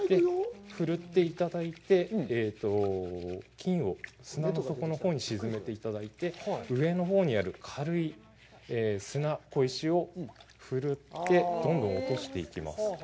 ふるっていただいて、金を砂の底のほうに沈めていただいて、上のほうにある軽い砂、小石を振るって、どんどん落としています。